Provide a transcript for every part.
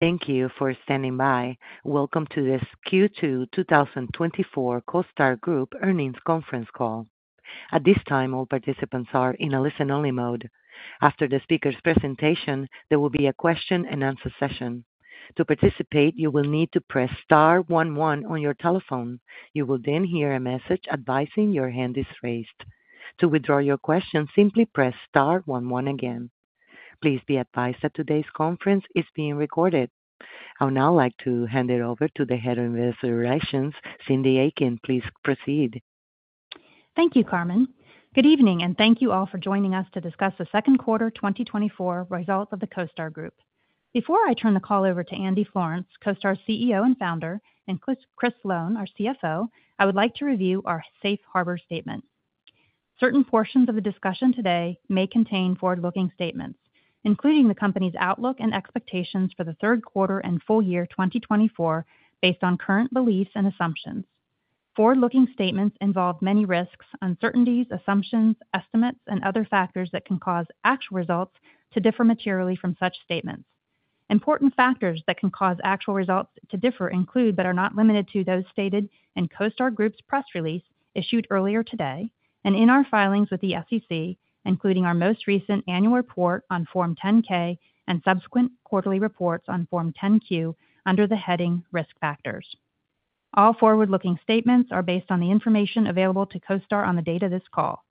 Thank you for standing by. Welcome to this Q2 2024 CoStar Group Earnings Conference Call. At this time, all participants are in a listen-only mode. After the speaker's presentation, there will be a question-and-answer session. To participate, you will need to press Star one one on your telephone. You will then hear a message advising your hand is raised. To withdraw your question, simply press Star one one again. Please be advised that today's conference is being recorded. I would now like to hand it over to the Head of Investor Relations, Cyndi Eakin. Please proceed. Thank you, Carmen. Good evening, and thank you all for joining us to discuss the second quarter 2024 result of the CoStar Group. Before I turn the call over to Andy Florance, CoStar's CEO and Founder, and Chris Lown, our CFO, I would like to review our Safe Harbor Statement. Certain portions of the discussion today may contain forward-looking statements, including the company's outlook and expectations for the third quarter and full year 2024, based on current beliefs and assumptions. Forward-looking statements involve many risks, uncertainties, assumptions, estimates, and other factors that can cause actual results to differ materially from such statements. Important factors that can cause actual results to differ include, but are not limited to, those stated in CoStar Group's press release issued earlier today and in our filings with the SEC, including our most recent annual report on Form 10-K and subsequent quarterly reports on Form 10-Q under the heading Risk Factors. All forward-looking statements are based on the information available to CoStar on the date of this call.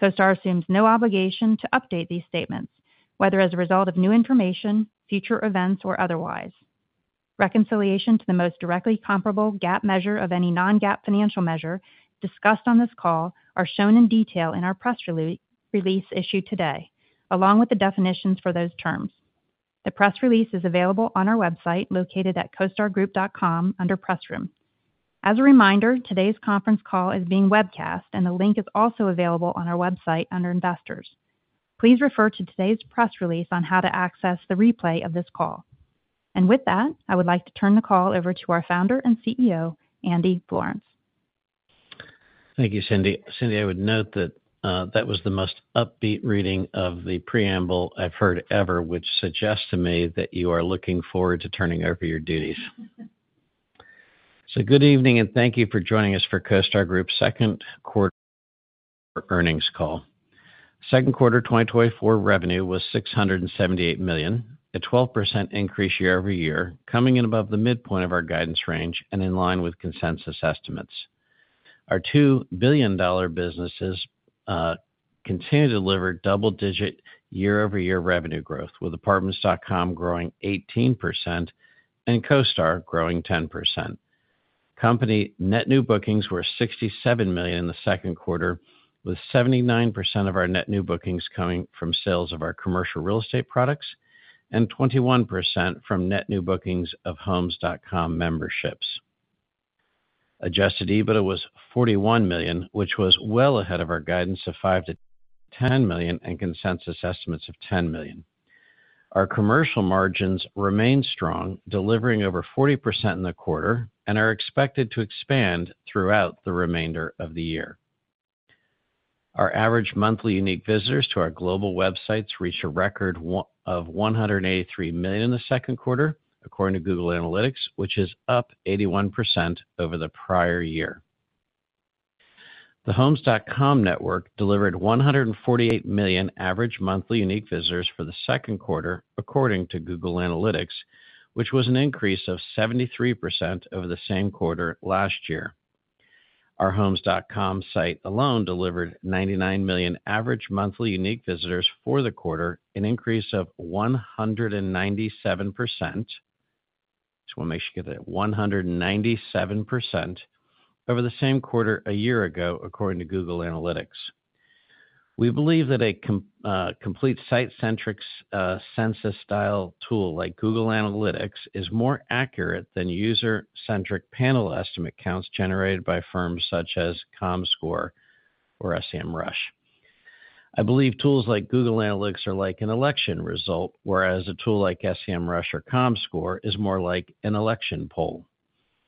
CoStar assumes no obligation to update these statements, whether as a result of new information, future events, or otherwise. Reconciliation to the most directly comparable GAAP measure of any non-GAAP financial measure discussed on this call are shown in detail in our press release issued today, along with the definitions for those terms. The press release is available on our website located at costargroup.com under Press Room. As a reminder, today's conference call is being webcast, and the link is also available on our website under Investors. Please refer to today's press release on how to access the replay of this call. With that, I would like to turn the call over to our founder and CEO, Andy Florance. Thank you, Cyndi. Cyndi, I would note that that was the most upbeat reading of the preamble I've heard ever, which suggests to me that you are looking forward to turning over your duties. Good evening, and thank you for joining us for CoStar Group's Second Quarter Earnings Call. Second quarter 2024 revenue was $678 million, a 12% increase year-over-year, coming in above the midpoint of our guidance range and in line with consensus estimates. Our $2 billion businesses continue to deliver double-digit year-over-year revenue growth, with Apartments.com growing 18% and CoStar growing 10%. Company net new bookings were $67 million in the second quarter, with 79% of our net new bookings coming from sales of our commercial real estate products and 21% from net new bookings of Homes.com memberships. Adjusted EBITDA was $41 million, which was well ahead of our guidance of $5 million-$10 million and consensus estimates of $10 million. Our commercial margins remain strong, delivering over 40% in the quarter and are expected to expand throughout the remainder of the year. Our average monthly unique visitors to our global websites reached a record of 183 million in the second quarter, according to Google Analytics, which is up 81% over the prior year. The Homes.com network delivered 148 million average monthly unique visitors for the second quarter, according to Google Analytics, which was an increase of 73% over the same quarter last year. Our Homes.com site alone delivered 99 million average monthly unique visitors for the quarter, an increase of 197%. Just want to make sure you get that: 197% over the same quarter a year ago, according to Google Analytics. We believe that a complete site-centric census-style tool like Google Analytics is more accurate than user-centric panel estimate counts generated by firms such as Comscore or Semrush. I believe tools like Google Analytics are like an election result, whereas a tool like Semrush or Comscore is more like an election poll.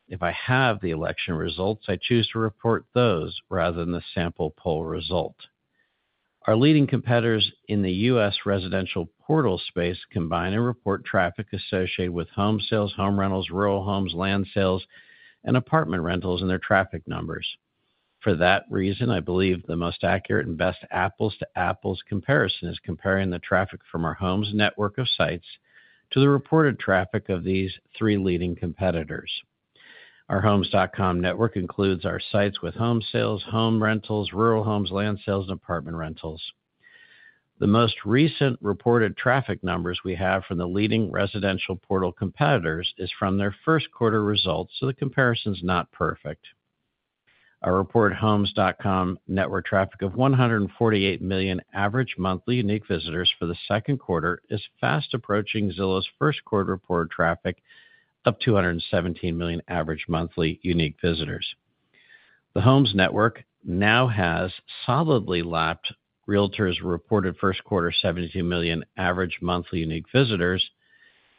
If I have the election results, I choose to report those rather than the sample poll result. Our leading competitors in the U.S. residential portal space combine and report traffic associated with home sales, home rentals, rural homes, land sales, and apartment rentals and their traffic numbers. For that reason, I believe the most accurate and best apples-to-apples comparison is comparing the traffic from our Homes network of sites to the reported traffic of these three leading competitors. Our Homes.com network includes our sites with home sales, home rentals, rural homes, land sales, and apartment rentals. The most recent reported traffic numbers we have from the leading residential portal competitors is from their first quarter results, so the comparison's not perfect. Our reported Homes.com network traffic of 148 million average monthly unique visitors for the second quarter is fast approaching Zillow's first quarter reported traffic of 217 million average monthly unique visitors. The Homes network now has solidly lapped Realtor's reported first quarter 72 million average monthly unique visitors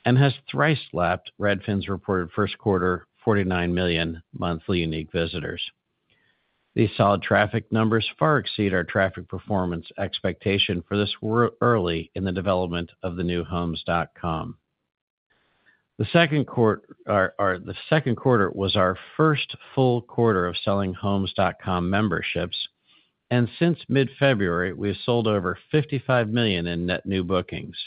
and has thrice lapped Redfin's reported first quarter 49 million monthly unique visitors. These solid traffic numbers far exceed our traffic performance expectation for this early in the development of the new Homes.com. The second quarter was our first full quarter of selling Homes.com memberships, and since mid-February, we have sold over $55 million in net new bookings.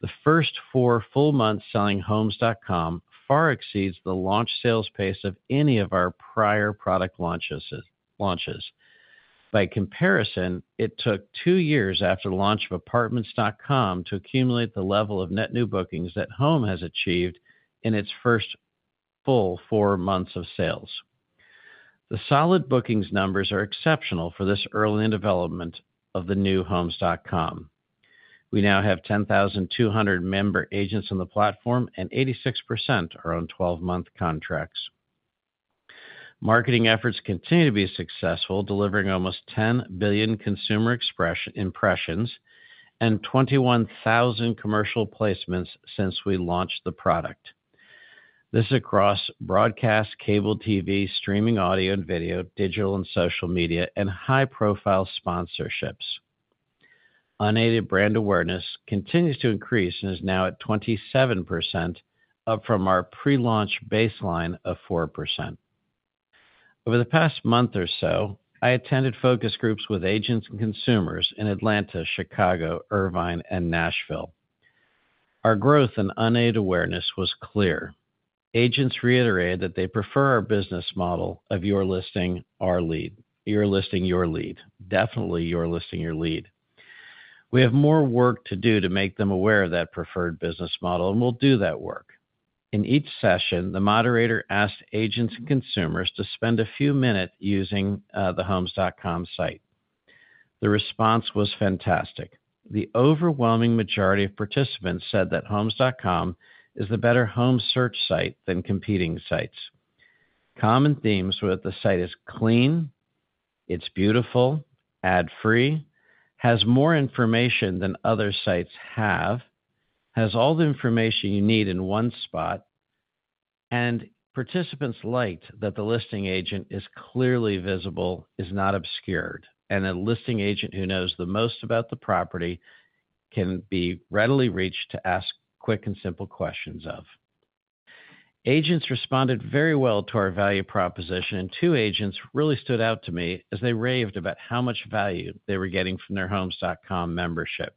The first four full months selling Homes.com far exceeds the launch sales pace of any of our prior product launches. By comparison, it took two years after the launch of Apartments.com to accumulate the level of net new bookings that Homes has achieved in its first full four months of sales. The solid bookings numbers are exceptional for this early in development of the new Homes.com. We now have 10,200 member agents on the platform, and 86% are on 12-month contracts. Marketing efforts continue to be successful, delivering almost $10 billion consumer impressions and 21,000 commercial placements since we launched the product. This is across broadcast, cable TV, streaming audio and video, digital and social media, and high-profile sponsorships. Unaided brand awareness continues to increase and is now at 27%, up from our pre-launch baseline of 4%. Over the past month or so, I attended focus groups with agents and consumers in Atlanta, Chicago, Irvine, and Nashville. Our growth in unaided awareness was clear. Agents reiterated that they prefer our business model of Your Listing, Your Lead. Your Listing, Your Lead. Definitely, Your Listing, Your Lead. We have more work to do to make them aware of that preferred business model, and we'll do that work. In each session, the moderator asked agents and consumers to spend a few minutes using the Homes.com site. The response was fantastic. The overwhelming majority of participants said that Homes.com is the better home search site than competing sites. Common themes were that the site is clean, it's beautiful, ad-free, has more information than other sites have, has all the information you need in one spot, and participants liked that the listing agent is clearly visible, is not obscured, and a listing agent who knows the most about the property can be readily reached to ask quick and simple questions of. Agents responded very well to our value proposition, and two agents really stood out to me as they raved about how much value they were getting from their Homes.com membership.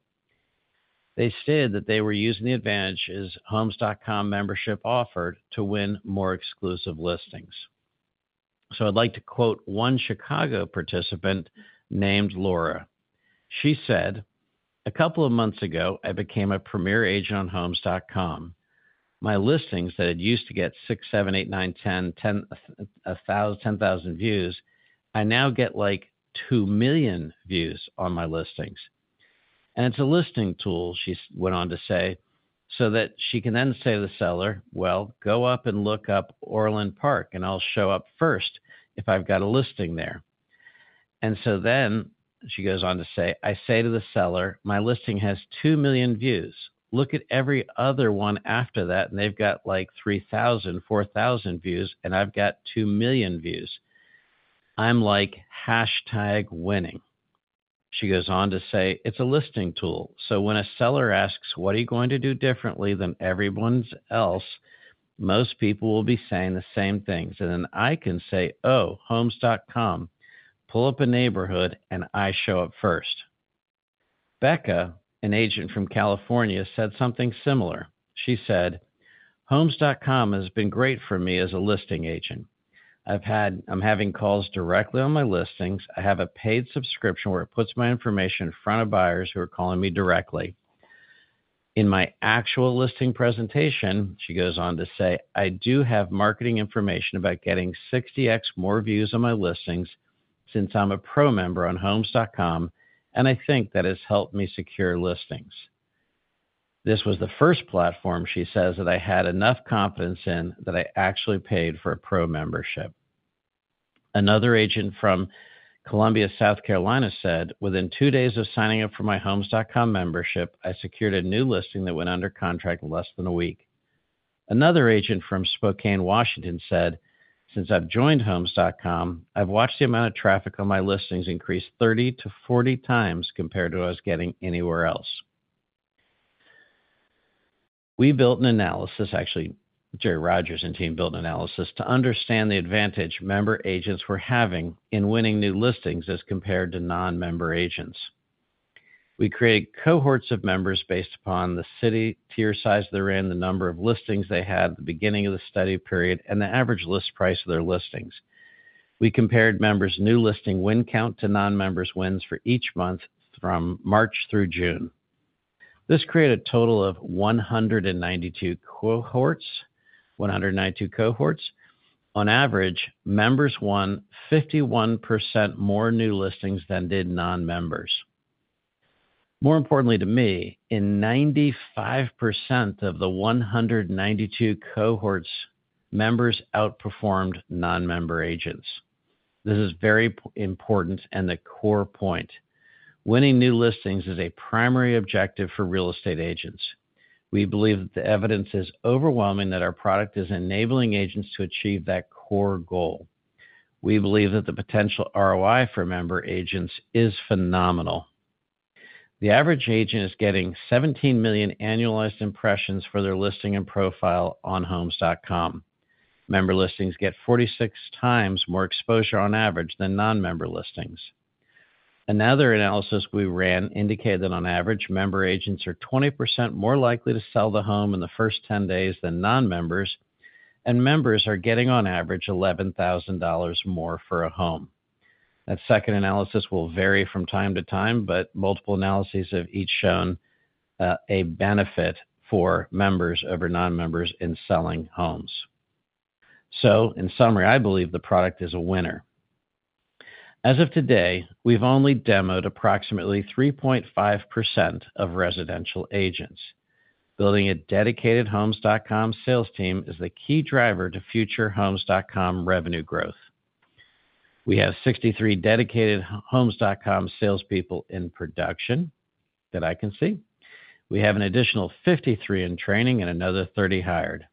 They stated that they were using the advantages Homes.com membership offered to win more exclusive listings. So I'd like to quote one Chicago participant named Laura. She said, "A couple of months ago, I became a premier agent on Homes.com. My listings that used to get six, seven, eight, nine, 10, 10,000 views, I now get like two million views on my listings. And it's a listing tool," she went on to say, "so that she can then say to the seller, 'Well, go up and look up Orland Park, and I'll show up first if I've got a listing there.'" And so then she goes on to say, "I say to the seller, 'My listing has two million views. Look at every other one after that, and they've got like 3,000, 4,000 views, and I've got two million views. I'm like hashtag winning.'" She goes on to say, "It's a listing tool. So when a seller asks, 'What are you going to do differently than everyone else?' most people will be saying the same things. Then I can say, "Oh, Homes.com, pull up a neighborhood, and I show up first." Becca, an agent from California, said something similar. She said, "Homes.com has been great for me as a listing agent. I'm having calls directly on my listings. I have a paid subscription where it puts my information in front of buyers who are calling me directly. In my actual listing presentation," she goes on to say, "I do have marketing information about getting 60x more views on my listings since I'm a pro member on Homes.com, and I think that has helped me secure listings." This was the first platform, she says, that I had enough confidence in that I actually paid for a pro membership. Another agent from Columbia, South Carolina, said, "Within two days of signing up for my Homes.com membership, I secured a new listing that went under contract in less than a week." Another agent from Spokane, Washington, said, "Since I've joined Homes.com, I've watched the amount of traffic on my listings increase 30-40 times compared to what I was getting anywhere else." We built an analysis, actually, Jerry Rodgers and team built an analysis, to understand the advantage member agents were having in winning new listings as compared to non-member agents. We created cohorts of members based upon the city tier size they were in, the number of listings they had at the beginning of the study period, and the average list price of their listings. We compared members' new listing win count to non-members' wins for each month from March through June. This created a total of 192 cohorts. 192 cohorts. On average, members won 51% more new listings than did non-members. More importantly to me, in 95% of the 192 cohorts, members outperformed non-member agents. This is very important and the core point. Winning new listings is a primary objective for real estate agents. We believe that the evidence is overwhelming that our product is enabling agents to achieve that core goal. We believe that the potential ROI for member agents is phenomenal. The average agent is getting 17 million annualized impressions for their listing and profile on Homes.com. Member listings get 46x more exposure on average than non-member listings. Another analysis we ran indicated that on average, member agents are 20% more likely to sell the home in the first 10 days than non-members, and members are getting on average $11,000 more for a home. That second analysis will vary from time to time, but multiple analyses have each shown a benefit for members over non-members in selling homes. So in summary, I believe the product is a winner. As of today, we've only demoed approximately 3.5% of residential agents. Building a dedicated Homes.com sales team is the key driver to future Homes.com revenue growth. We have 63 dedicated Homes.com salespeople in production that I can see. We have an additional 53 in training and another 30 hired.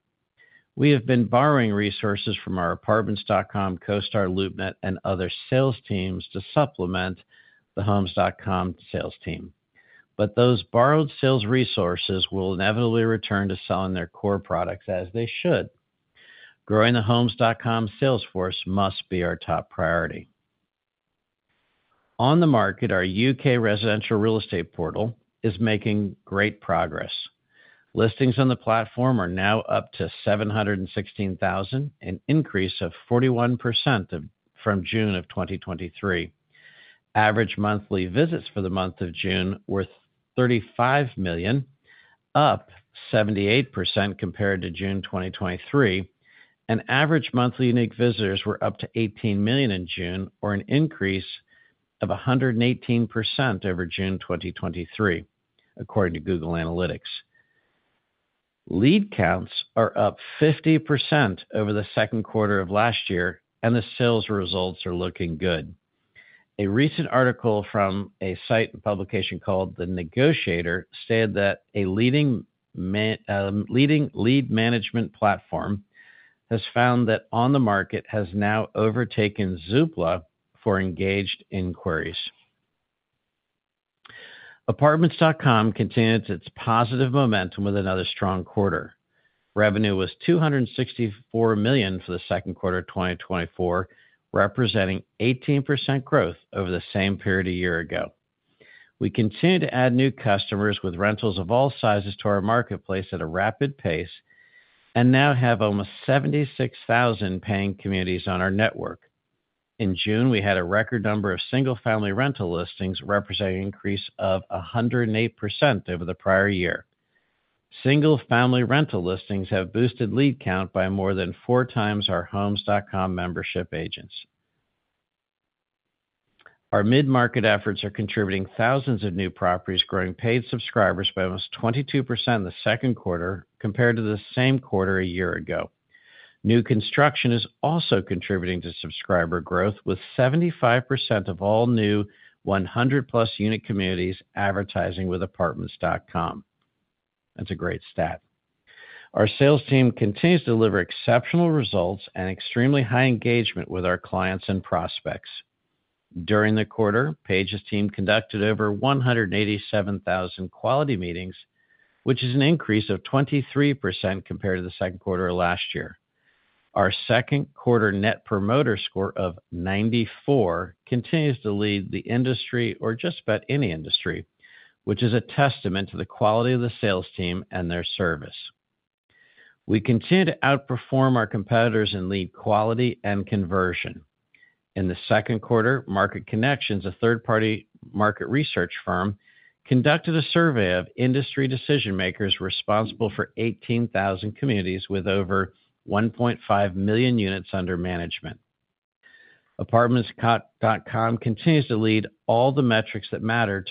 We have been borrowing resources from our Apartments.com, CoStar, LoopNet, and other sales teams to supplement the Homes.com sales team. But those borrowed sales resources will inevitably return to selling their core products, as they should. Growing the Homes.com sales force must be our top priority. OnTheMarket, our UK residential real estate portal, is making great progress. Listings on the platform are now up to 716,000, an increase of 41% from June of 2023. Average monthly visits for the month of June were 35 million, up 78% compared to June 2023, and average monthly unique visitors were up to 18 million in June, or an increase of 118% over June 2023, according to Google Analytics. Lead counts are up 50% over the second quarter of last year, and the sales results are looking good. A recent article from a site and publication called The Negotiator stated that a leading lead management platform has found that OnTheMarket has now overtaken Zoopla for engaged inquiries. Apartments.com continued its positive momentum with another strong quarter. Revenue was $264 million for the second quarter of 2024, representing 18% growth over the same period a year ago. We continue to add new customers with rentals of all sizes to our marketplace at a rapid pace and now have almost 76,000 paying communities on our network. In June, we had a record number of single-family rental listings representing an increase of 108% over the prior year. Single-family rental listings have boosted lead count by more than four times our Homes.com membership agents. Our mid-market efforts are contributing thousands of new properties, growing paid subscribers by almost 22% in the second quarter compared to the same quarter a year ago. New construction is also contributing to subscriber growth, with 75% of all new 100+ unit communities advertising with Apartments.com. That's a great stat. Our sales team continues to deliver exceptional results and extremely high engagement with our clients and prospects. During the quarter, Paige's team conducted over 187,000 quality meetings, which is an increase of 23% compared to the second quarter of last year. Our second quarter Net Promoter Score of 94 continues to lead the industry, or just about any industry, which is a testament to the quality of the sales team and their service. We continue to outperform our competitors in lead quality and conversion. In the second quarter, Market Connections, a third-party market research firm, conducted a survey of industry decision-makers responsible for 18,000 communities with over 1.5 million units under management. Apartments.com continues to lead all the metrics that matter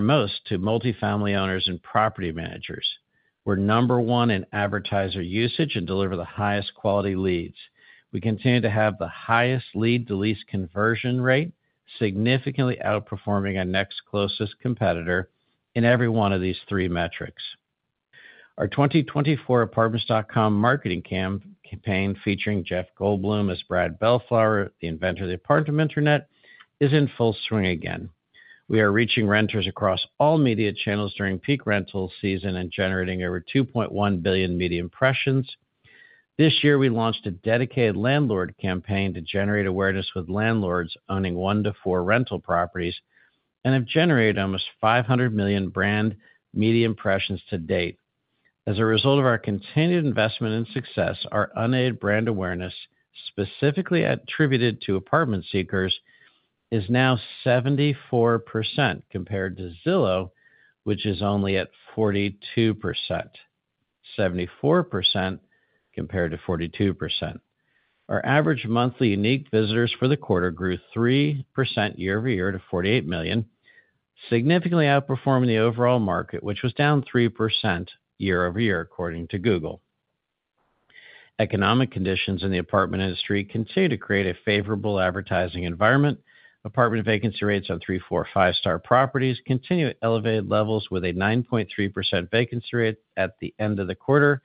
most to multi-family owners and property managers. We're number one in advertiser usage and deliver the highest quality leads. We continue to have the highest lead-to-lease conversion rate, significantly outperforming our next closest competitor in every one of these three metrics. Our 2024 Apartments.com Marketing Campaign, featuring Jeff Goldblum as Brad Bellflower, the inventor of the Apartment Internet, is in full swing again. We are reaching renters across all media channels during peak rental season and generating over 2.1 billion media impressions. This year, we launched a dedicated landlord campaign to generate awareness with landlords owning one to four rental properties and have generated almost 500 million brand media impressions to date. As a result of our continued investment and success, our unaided brand awareness, specifically attributed to apartment seekers, is now 74% compared to Zillow, which is only at 42%. 74% compared to 42%. Our average monthly unique visitors for the quarter grew 3% year-over-year to 48 million, significantly outperforming the overall market, which was down 3% year-over-year, according to Google. Economic conditions in the apartment industry continue to create a favorable advertising environment. Apartment vacancy rates on three, four, five-star properties continue at elevated levels with a 9.3% vacancy rate at the end of the quarter,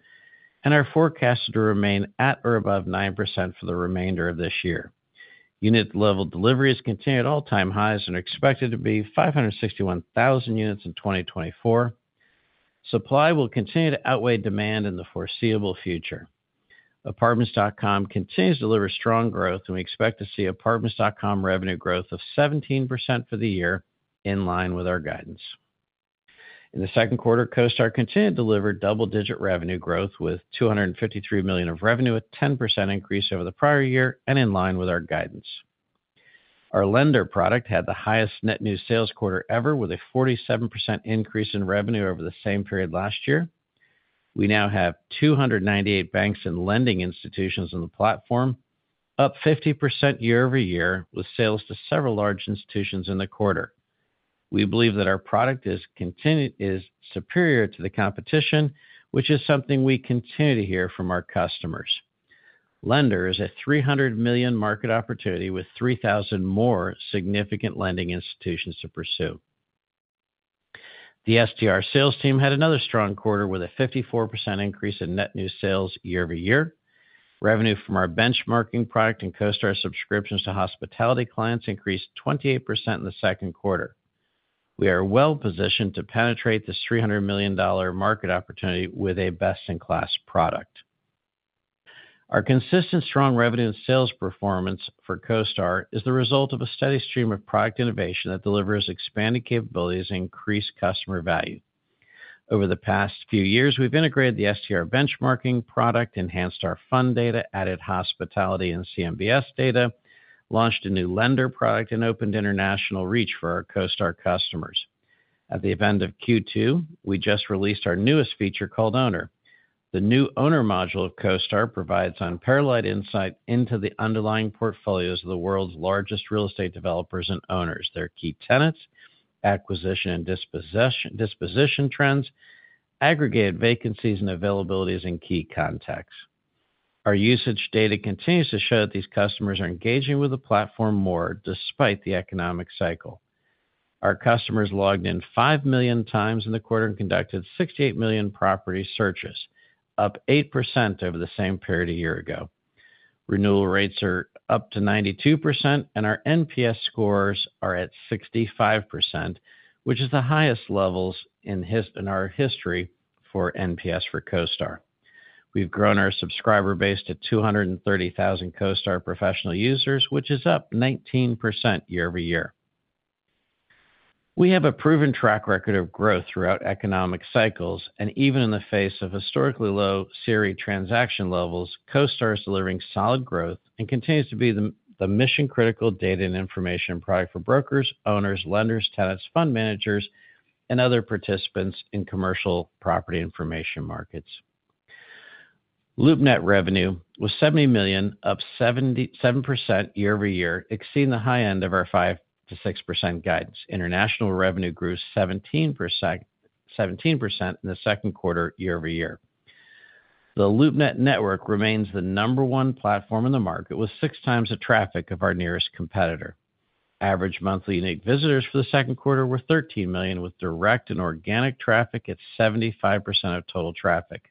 and are forecast to remain at or above 9% for the remainder of this year. Unit-level deliveries continue at all-time highs and are expected to be 561,000 units in 2024. Supply will continue to outweigh demand in the foreseeable future. Apartments.com continues to deliver strong growth, and we expect to see Apartments.com revenue growth of 17% for the year, in line with our guidance. In the second quarter, CoStar continued to deliver double-digit revenue growth with $253 million of revenue, a 10% increase over the prior year, and in line with our guidance. Our lender product had the highest net new sales quarter ever, with a 47% increase in revenue over the same period last year. We now have 298 banks and lending institutions on the platform, up 50% year-over-year, with sales to several large institutions in the quarter. We believe that our product is superior to the competition, which is something we continue to hear from our customers. Lender is a $300 million market opportunity with 3,000 more significant lending institutions to pursue. The STR sales team had another strong quarter with a 54% increase in net new sales year-over-year. Revenue from our benchmarking product and CoStar subscriptions to hospitality clients increased 28% in the second quarter. We are well-positioned to penetrate this $300 million market opportunity with a best-in-class product. Our consistent strong revenue and sales performance for CoStar is the result of a steady stream of product innovation that delivers expanded capabilities and increased customer value. Over the past few years, we've integrated the STR benchmarking product, enhanced our fund data, added hospitality and CMBS data, launched a new lender product, and opened international reach for our CoStar customers. At the end of Q2, we just released our newest feature called Owner. The new Owner module of CoStar provides unparalleled insight into the underlying portfolios of the world's largest real estate developers and owners, their key tenants, acquisition and disposition trends, aggregated vacancies and availabilities, and key context. Our usage data continues to show that these customers are engaging with the platform more despite the economic cycle. Our customers logged in five million times in the quarter and conducted 68 million property searches, up 8% over the same period a year ago Renewal rates are up to 92%, and our NPS scores are at 65%, which is the highest levels in our history for NPS for CoStar. We've grown our subscriber base to 230,000 CoStar professional users, which is up 19% year-over-year. We have a proven track record of growth throughout economic cycles, and even in the face of historically low CRE transaction levels, CoStar is delivering solid growth and continues to be the mission-critical data and information product for brokers, owners, lenders, tenants, fund managers, and other participants in commercial property information markets. LoopNet revenue was $70 million, up 7% year-over-year, exceeding the high end of our 5%-6% guidance. International revenue grew 17% in the second quarter year-over-year. The LoopNet network remains the number one platform in the market with 6 times the traffic of our nearest competitor. Average monthly unique visitors for the second quarter were 13 million, with direct and organic traffic at 75% of total traffic.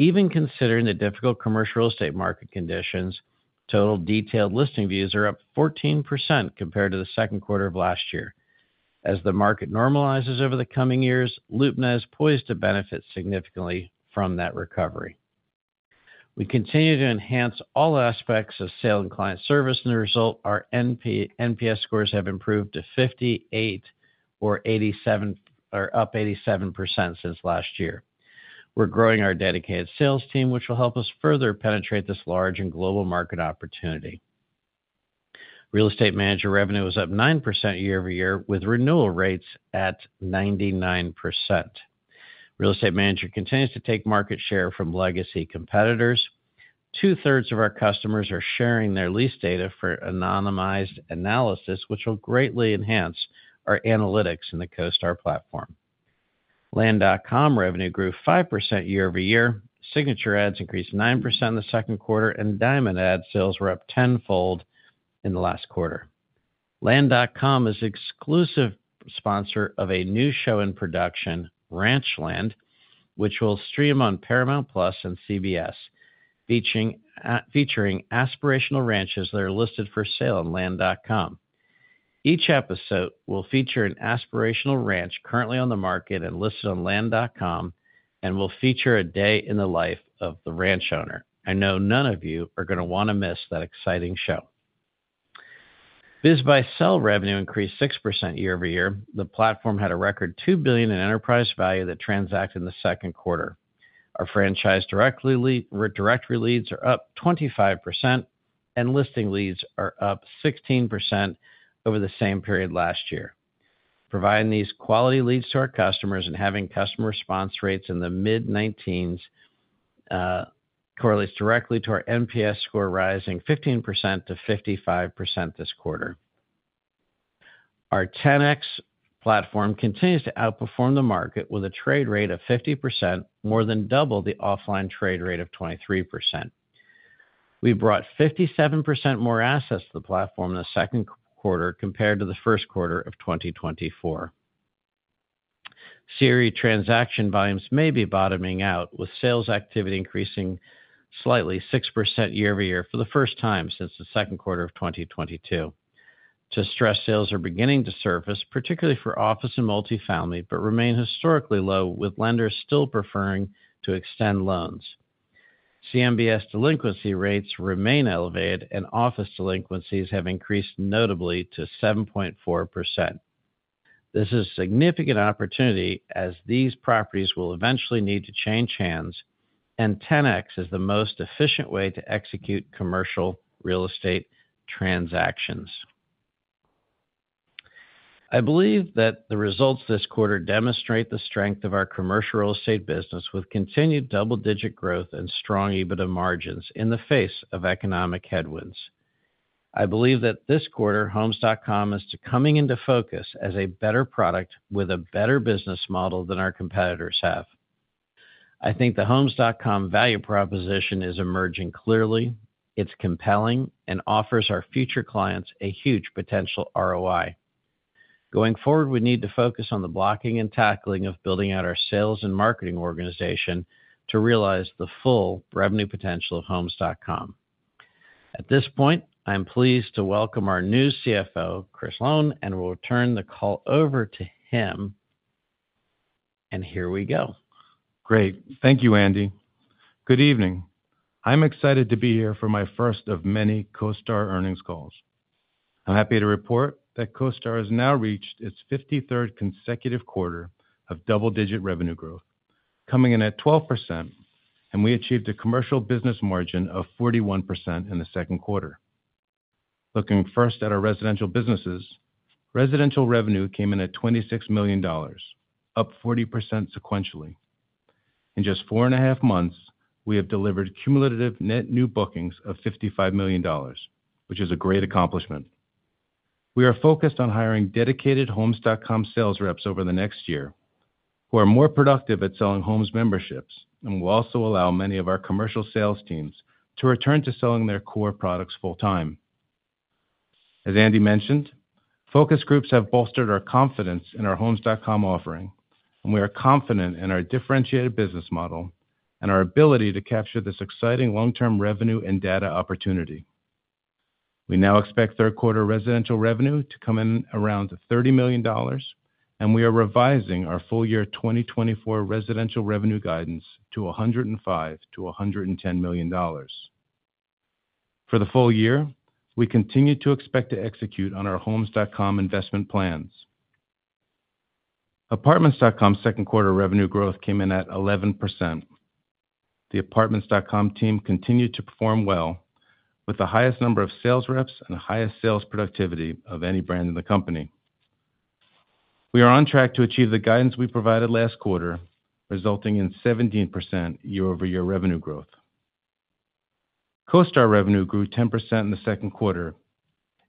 Even considering the difficult commercial real estate market conditions, total detailed listing views are up 14% compared to the second quarter of last year. As the market normalizes over the coming years, LoopNet is poised to benefit significantly from that recovery. We continue to enhance all aspects of sale and client service, and as a result, our NPS scores have improved to 58 or up 87% since last year. We're growing our dedicated sales team, which will help us further penetrate this large and global market opportunity. Real Estate Manager revenue was up 9% year-over-year, with renewal rates at 99%. Real Estate Manager continues to take market share from legacy competitors. Two-thirds of our customers are sharing their lease data for anonymized analysis, which will greatly enhance our analytics in the CoStar platform. Land.com revenue grew 5% year-over-year. Signature Ads increased 9% in the second quarter, and Diamond Ads sales were up tenfold in the last quarter. Land.com is an exclusive sponsor of a new show in production, Ranchland, which will stream on Paramount+ and CBS, featuring aspirational ranches that are listed for sale on Land.com. Each episode will feature an aspirational ranch currently on the market and listed on Land.com, and will feature a day in the life of the ranch owner. I know none of you are going to want to miss that exciting show. BizBuySell revenue increased 6% year-over-year. The platform had a record $2 billion in enterprise value that transacted in the second quarter. Our franchise direct leads are up 25%, and listing leads are up 16% over the same period last year. Providing these quality leads to our customers and having customer response rates in the mid-19s correlates directly to our NPS score rising 15%-55% this quarter. Our Ten-X platform continues to outperform the market with a trade rate of 50%, more than double the offline trade rate of 23%. We brought 57% more assets to the platform in the second quarter compared to the first quarter of 2024. Series transaction volumes may be bottoming out, with sales activity increasing slightly 6% year-over-year for the first time since the second quarter of 2022. To stress, sales are beginning to surface, particularly for office and multi-family, but remain historically low, with lenders still preferring to extend loans. CMBS delinquency rates remain elevated, and office delinquencies have increased notably to 7.4%. This is a significant opportunity as these properties will eventually need to change hands, and Ten-X is the most efficient way to execute commercial real estate transactions. I believe that the results this quarter demonstrate the strength of our commercial real estate business, with continued double-digit growth and strong EBITDA margins in the face of economic headwinds. I believe that this quarter, Homes.com is coming into focus as a better product with a better business model than our competitors have. I think the Homes.com value proposition is emerging clearly. It's compelling and offers our future clients a huge potential ROI. Going forward, we need to focus on the blocking and tackling of building out our sales and marketing organization to realize the full revenue potential of Homes.com. At this point, I'm pleased to welcome our new CFO, Chris Lown, and we'll turn the call over to him. Here we go. Great. Thank you, Andy. Good evening. I'm excited to be here for my first of many CoStar earnings calls. I'm happy to report that CoStar has now reached its 53rd consecutive quarter of double-digit revenue growth, coming in at 12%, and we achieved a commercial business margin of 41% in the second quarter. Looking first at our residential businesses, residential revenue came in at $26 million, up 40% sequentially. In just four and a half months, we have delivered cumulative net new bookings of $55 million, which is a great accomplishment. We are focused on hiring dedicated Homes.com sales reps over the next year who are more productive at selling Homes memberships, and we'll also allow many of our commercial sales teams to return to selling their core products full-time. As Andy mentioned, focus groups have bolstered our confidence in our Homes.com offering, and we are confident in our differentiated business model and our ability to capture this exciting long-term revenue and data opportunity. We now expect third quarter residential revenue to come in around $30 million, and we are revising our full year 2024 residential revenue guidance to $105 million-$110 million. For the full year, we continue to expect to execute on our Homes.com investment plans. Apartments.com second quarter revenue growth came in at 11%. The Apartments.com team continued to perform well, with the highest number of sales reps and the highest sales productivity of any brand in the company. We are on track to achieve the guidance we provided last quarter, resulting in 17% year-over-year revenue growth. CoStar revenue grew 10% in the second quarter,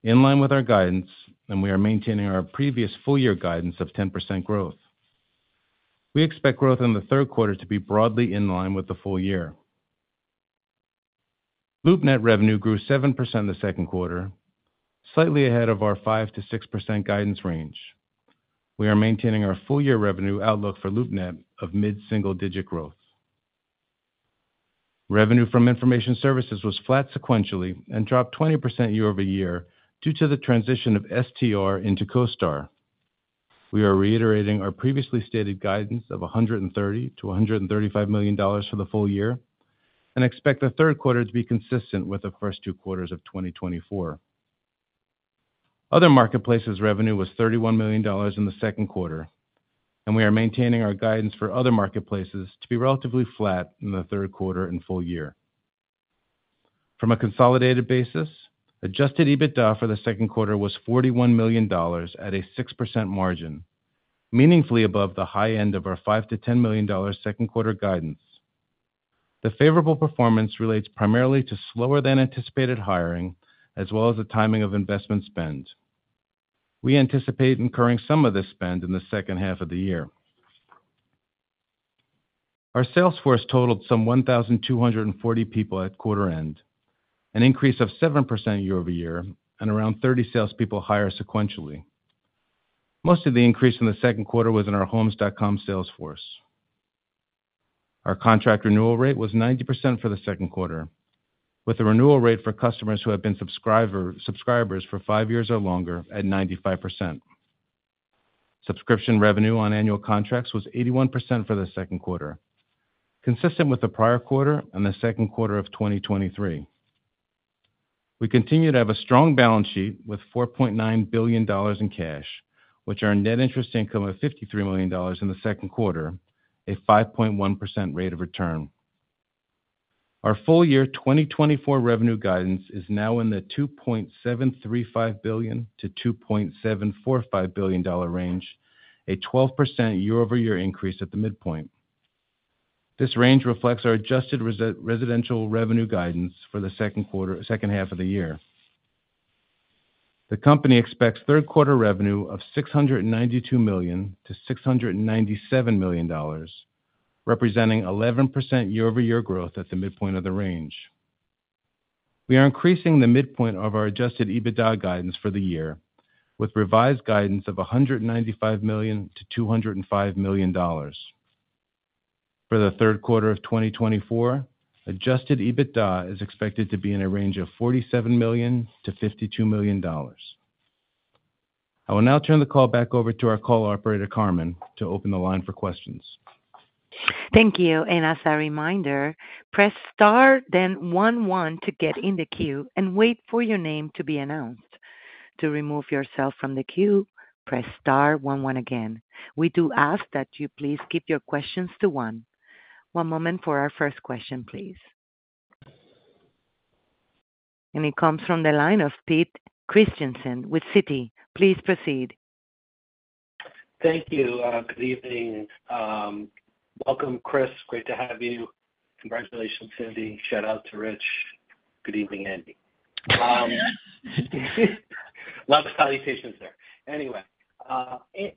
in line with our guidance, and we are maintaining our previous full-year guidance of 10% growth. We expect growth in the third quarter to be broadly in line with the full year. LoopNet revenue grew 7% in the second quarter, slightly ahead of our 5%-6% guidance range. We are maintaining our full-year revenue outlook for LoopNet of mid-single-digit growth. Revenue from information services was flat sequentially and dropped 20% year-over-year due to the transition of STR into CoStar. We are reiterating our previously stated guidance of $130 million-$135 million for the full year and expect the third quarter to be consistent with the first two quarters of 2024. Other marketplaces' revenue was $31 million in the second quarter, and we are maintaining our guidance for other marketplaces to be relatively flat in the third quarter and full year. From a consolidated basis, adjusted EBITDA for the second quarter was $41 million at a 6% margin, meaningfully above the high end of our $5 million-$10 million second quarter guidance. The favorable performance relates primarily to slower-than-anticipated hiring as well as the timing of investment spend. We anticipate incurring some of this spend in the second half of the year. Our sales force totaled some 1,240 people at quarter end, an increase of 7% year-over-year, and around 30 salespeople higher sequentially. Most of the increase in the second quarter was in our Homes.com sales force. Our contract renewal rate was 90% for the second quarter, with a renewal rate for customers who have been subscribers for five years or longer at 95%. Subscription revenue on annual contracts was 81% for the second quarter, consistent with the prior quarter and the second quarter of 2023. We continue to have a strong balance sheet with $4.9 billion in cash, which our net interest income of $53 million in the second quarter, a 5.1% rate of return. Our full year 2024 revenue guidance is now in the $2.735 billion-$2.745 billion range, a 12% year-over-year increase at the midpoint. This range reflects our adjusted residential revenue guidance for the second quarter, second half of the year. The company expects third quarter revenue of $692 million-$697 million, representing 11% year-over-year growth at the midpoint of the range. We are increasing the midpoint of our Adjusted EBITDA guidance for the year with revised guidance of $195 million-$205 million. For the third quarter of 2024, adjusted EBITDA is expected to be in a range of $47 million-$52 million. I will now turn the call back over to our call operator, Carmen, to open the line for questions. Thank you. As a reminder, press star, then one one to get in the queue and wait for your name to be announced. To remove yourself from the queue, press star, one one again. We do ask that you please keep your questions to one. One moment for our first question, please. It comes from the line of Pete Christiansen with Citi. Please proceed. Thank you. Good evening. Welcome, Chris. Great to have you. Congratulations, Cyndi. Shout out to Rich. Good evening, Andy. Lots of salutations there. Anyway,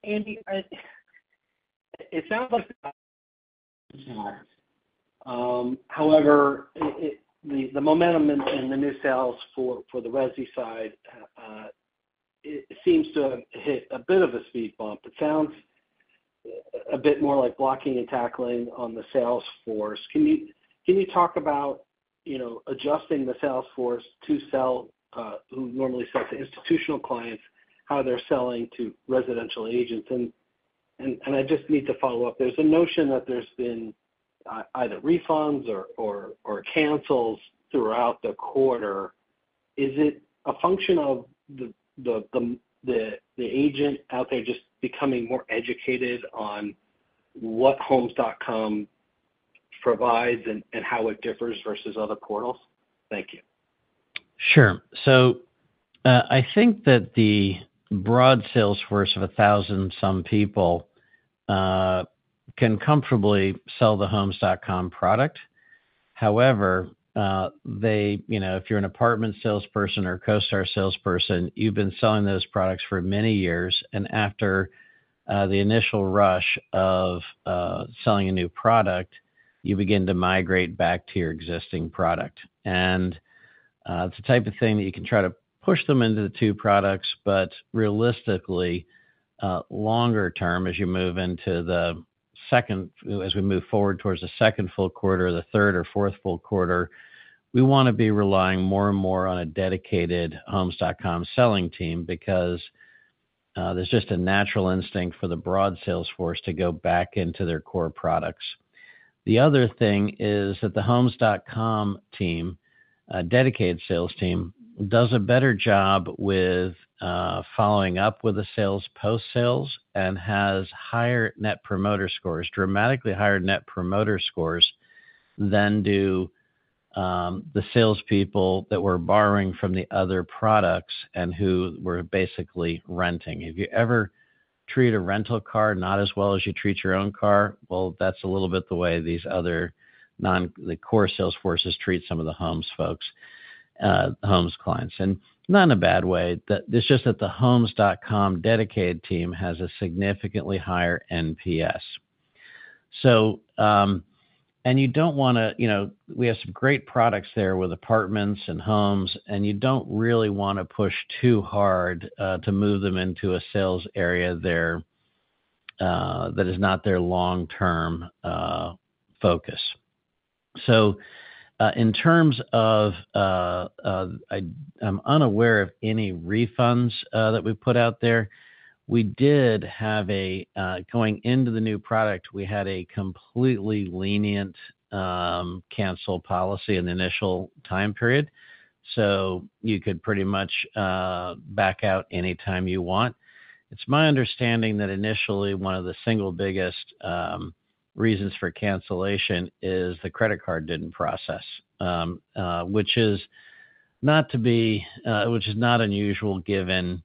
Andy, it sounds like however, the momentum in the new sales for the resi side, it seems to have hit a bit of a speed bump. It sounds a bit more like blocking and tackling on the sales force. Can you talk about adjusting the sales force to sell who normally sells to institutional clients, how they're selling to residential agents? And I just need to follow up. There's a notion that there's been either refunds or cancels throughout the quarter. Is it a function of the agent out there just becoming more educated on what Homes.com provides and how it differs versus other portals? Thank you. Sure. So I think that the broad sales force of 1,000-some people can comfortably sell the Homes.com product. However, if you're an apartment salesperson or CoStar salesperson, you've been selling those products for many years. And after the initial rush of selling a new product, you begin to migrate back to your existing product. It's the type of thing that you can try to push them into the two products, but realistically, longer term as you move into the second, as we move forward towards the second full quarter, the third or fourth full quarter, we want to be relying more and more on a dedicated Homes.com selling team because there's just a natural instinct for the broad sales force to go back into their core products. The other thing is that the Homes.com team, dedicated sales team, does a better job with following up with the sales post-sales and has higher Net Promoter Scores, dramatically higher Net Promoter Scores than do the salespeople that were borrowing from the other products and who were basically renting. If you ever treat a rental car not as well as you treat your own car, well, that's a little bit the way these other non-core sales forces treat some of the Homes folks, Homes clients. And not in a bad way. It's just that the Homes.com dedicated team has a significantly higher NPS. And you don't want to we have some great products there with apartments and homes, and you don't really want to push too hard to move them into a sales area there that is not their long-term focus. So in terms of I'm unaware of any refunds that we put out there. We did have a going into the new product, we had a completely lenient cancel policy in the initial time period. So you could pretty much back out anytime you want. It's my understanding that initially, one of the single biggest reasons for cancellation is the credit card didn't process, which is not unusual given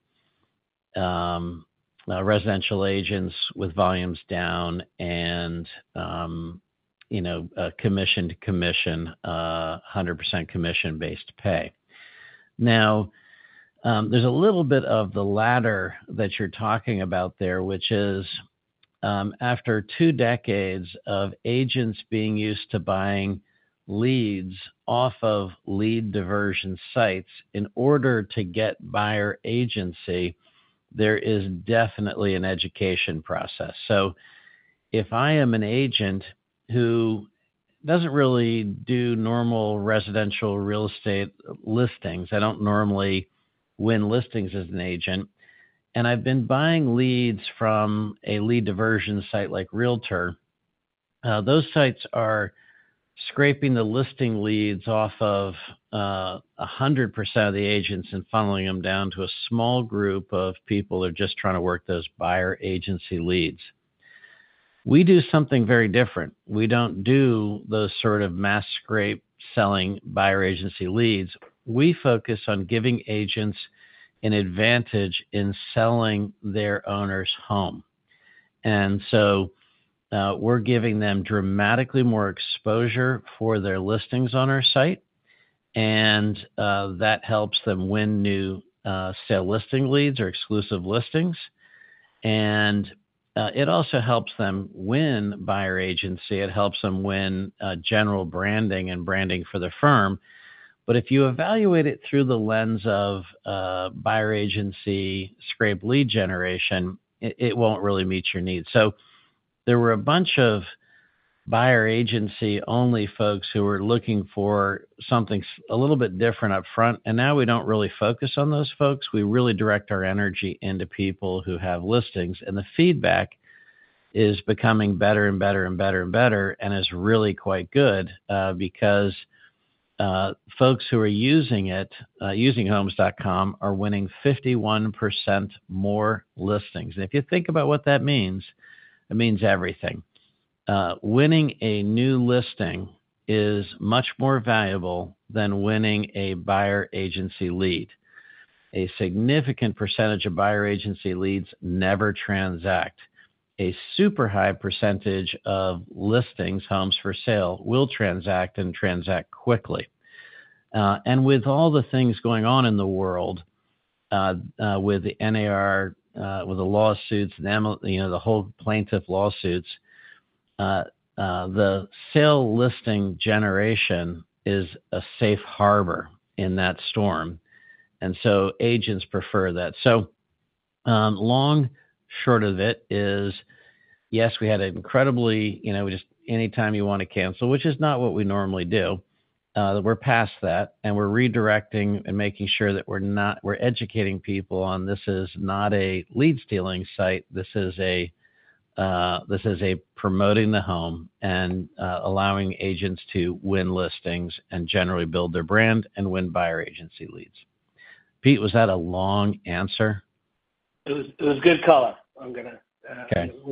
residential agents with volumes down and commission to commission, 100% commission-based pay. Now, there's a little bit of the latter that you're talking about there, which is after two decades of agents being used to buying leads off of lead diversion sites in order to get buyer agency, there is definitely an education process. So if I am an agent who doesn't really do normal residential real estate listings, I don't normally win listings as an agent, and I've been buying leads from a lead diversion site like Realtor, those sites are scraping the listing leads off of 100% of the agents and funneling them down to a small group of people who are just trying to work those buyer agency leads. We do something very different. We don't do those sort of mass scrape selling buyer agency leads. We focus on giving agents an advantage in selling their owner's home. And so we're giving them dramatically more exposure for their listings on our site, and that helps them win new sale listing leads or exclusive listings. And it also helps them win buyer agency. It helps them win general branding and branding for the firm. But if you evaluate it through the lens of buyer agency scrape lead generation, it won't really meet your needs. So there were a bunch of buyer agency-only folks who were looking for something a little bit different upfront, and now we don't really focus on those folks. We really direct our energy into people who have listings, and the feedback is becoming better and better and better and better and is really quite good because folks who are using it, using Homes.com, are winning 51% more listings. And if you think about what that means, it means everything. Winning a new listing is much more valuable than winning a buyer agency lead. A significant percentage of buyer agency leads never transact. A super high percentage of listings, homes for sale, will transact and transact quickly. With all the things going on in the world with the NAR, with the lawsuits, the whole plaintiff lawsuits, the sale listing generation is a safe harbor in that storm. So agents prefer that. So long, short of it is, yes, we had an incredibly just anytime you want to cancel, which is not what we normally do. We're past that, and we're redirecting and making sure that we're educating people on this is not a lead stealing site. This is a promoting the home and allowing agents to win listings and generally build their brand and win buyer agency leads. Pete, was that a long answer? It was good color. We're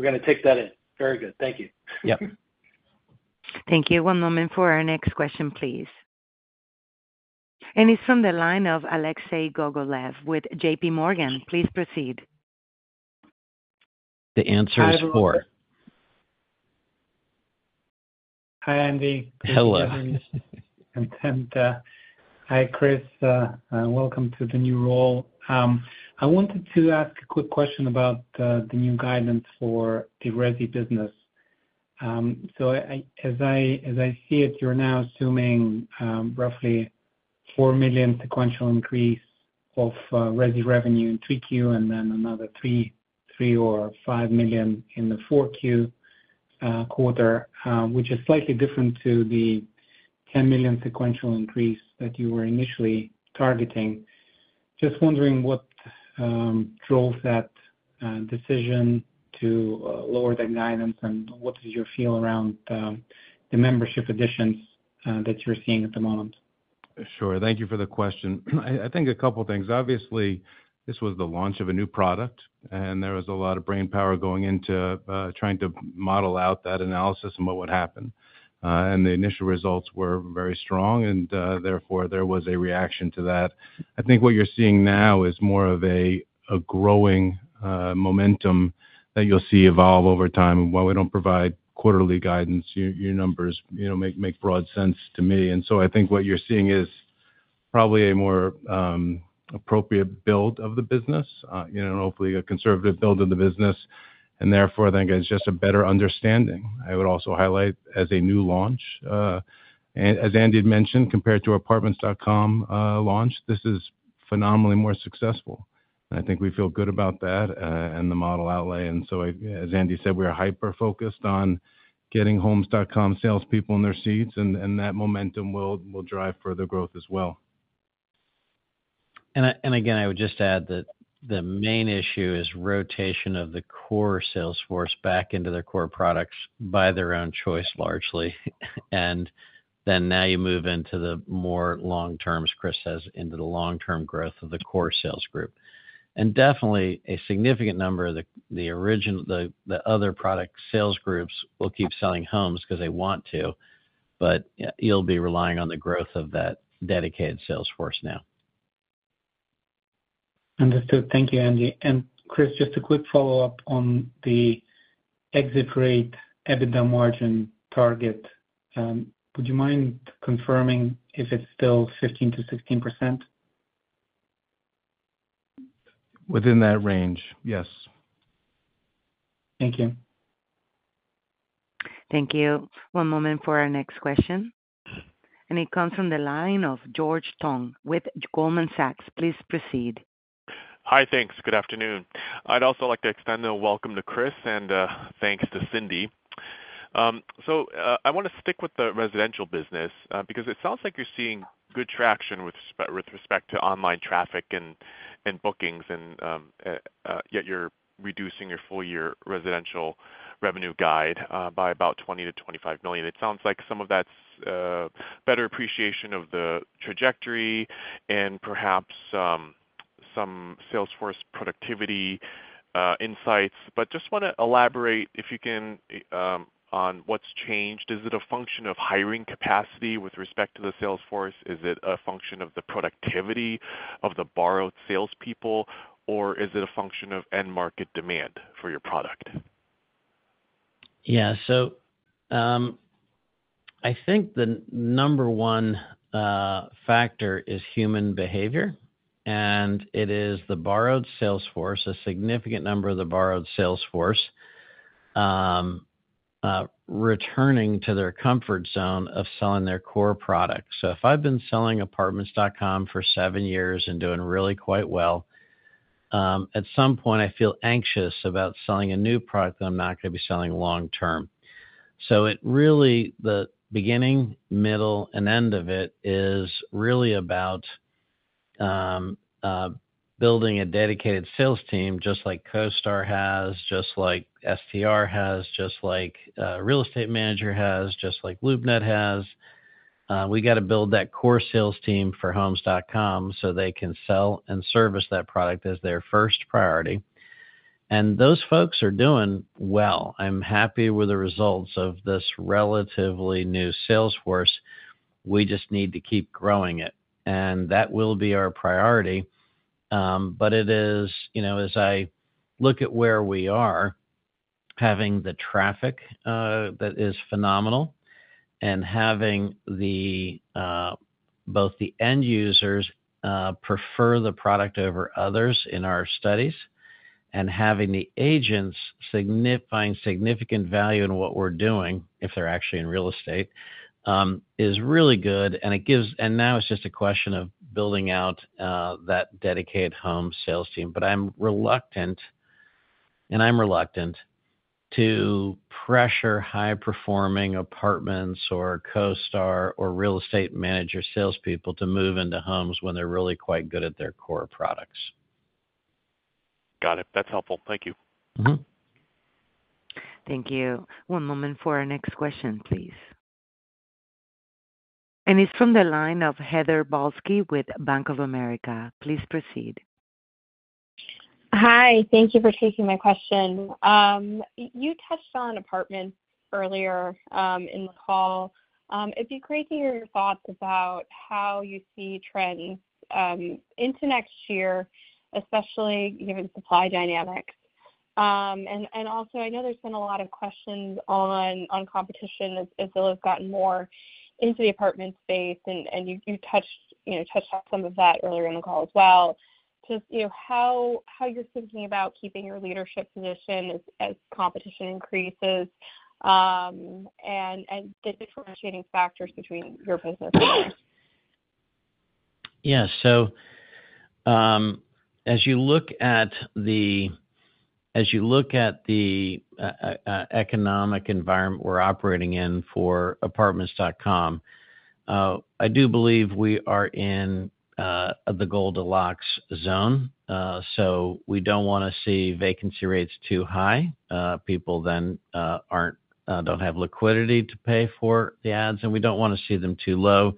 going to take that in. Very good. Thank you. Yep. Thank you. One moment for our next question, please. It's from the line of Alexei Gogolev with JP Morgan. Please proceed. The answer is 4. Hi, Andy. Hello. Hi, Chris. Welcome to the new role. I wanted to ask a quick question about the new guidance for the resi business. So as I see it, you're now assuming roughly $4 million sequential increase of resi revenue in 3Q and then another $3 million or $5 million in the 4Q quarter, which is slightly different to the $10 million sequential increase that you were initially targeting. Just wondering what drove that decision to lower that guidance and what is your feel around the membership additions that you're seeing at the moment? Sure. Thank you for the question. I think a couple of things. Obviously, this was the launch of a new product, and there was a lot of brain power going into trying to model out that analysis and what would happen. And the initial results were very strong, and therefore, there was a reaction to that. I think what you're seeing now is more of a growing momentum that you'll see evolve over time. While we don't provide quarterly guidance, your numbers make broad sense to me. And so I think what you're seeing is probably a more appropriate build of the business, hopefully a conservative build of the business. And therefore, I think it's just a better understanding. I would also highlight as a new launch, as Andy mentioned, compared to Apartments.com launch, this is phenomenally more successful. And I think we feel good about that and the model outlook. And so, as Andy said, we are hyper-focused on getting Homes.com salespeople in their seats, and that momentum will drive further growth as well. And again, I would just add that the main issue is rotation of the core sales force back into their core products by their own choice largely. And then now you move into the more long-term, as Chris says, into the long-term growth of the core sales group. And definitely, a significant number of the other product sales groups will keep selling homes because they want to, but you'll be relying on the growth of that dedicated sales force now. Understood. Thank you, Andy. And Chris, just a quick follow-up on the exit rate, EBITDA margin target. Would you mind confirming if it's still 15%-16%? Within that range, yes. Thank you. Thank you. One moment for our next question. And it comes from the line of George Tong with Goldman Sachs. Please proceed. Hi, thanks. Good afternoon. I'd also like to extend a welcome to Chris and thanks to Cyndi. So I want to stick with the residential business because it sounds like you're seeing good traction with respect to online traffic and bookings, and yet you're reducing your full-year residential revenue guide by about $20 million-$25 million. It sounds like some of that's better appreciation of the trajectory and perhaps some sales force productivity insights. But just want to elaborate, if you can, on what's changed. Is it a function of hiring capacity with respect to the sales force? Is it a function of the productivity of the borrowed salespeople, or is it a function of end-market demand for your product? Yeah. So I think the number one factor is human behavior, and it is the borrowed sales force, a significant number of the borrowed sales force returning to their comfort zone of selling their core products. So if I've been selling Apartments.com for seven years and doing really quite well, at some point, I feel anxious about selling a new product that I'm not going to be selling long-term. So really, the beginning, middle, and end of it is really about building a dedicated sales team just like CoStar has, just like STR has, just like Real Estate Manager has, just like LoopNet has. We got to build that core sales team for Homes.com so they can sell and service that product as their first priority. And those folks are doing well. I'm happy with the results of this relatively new sales force. We just need to keep growing it, and that will be our priority. But it is, as I look at where we are, having the traffic that is phenomenal and having both the end users prefer the product over others in our studies and having the agents find significant value in what we're doing, if they're actually in real estate, is really good. Now it's just a question of building out that dedicated home sales team. But I'm reluctant, and I'm reluctant to pressure high-performing Apartments or CoStar or Real Estate Manager salespeople to move into Homes when they're really quite good at their core products. Got it. That's helpful. Thank you. Thank you. One moment for our next question, please. And it's from the line of Heather Balsky with Bank of America. Please proceed. Hi. Thank you for taking my question. You touched on Apartments earlier in the call. It'd be great to hear your thoughts about how you see trends into next year, especially given supply dynamics. Also, I know there's been a lot of questions on competition as though it's gotten more into the apartment space, and you touched on some of that earlier in the call as well. Just how you're thinking about keeping your leadership position as competition increases and the differentiating factors between your businesses? Yeah. So as you look at the economic environment we're operating in for Apartments.com, I do believe we are in the Goldilocks zone. So we don't want to see vacancy rates too high. People then don't have liquidity to pay for the ads, and we don't want to see them too low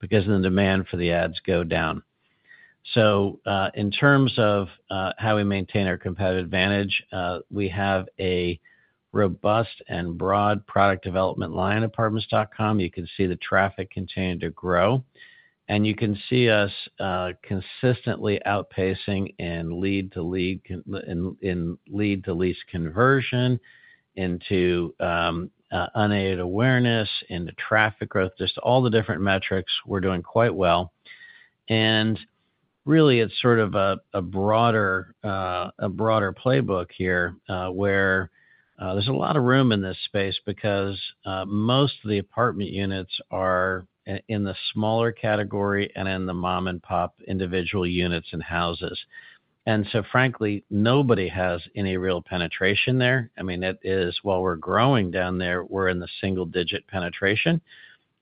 because then demand for the ads goes down. So in terms of how we maintain our competitive advantage, we have a robust and broad product development line at Apartments.com. You can see the traffic continuing to grow, and you can see us consistently outpacing in lead-to-lease conversion, into unaided awareness, into traffic growth, just all the different metrics. We're doing quite well. And really, it's sort of a broader playbook here where there's a lot of room in this space because most of the apartment units are in the smaller category and in the mom-and-pop individual units and houses. And so frankly, nobody has any real penetration there. I mean, while we're growing down there, we're in the single-digit penetration.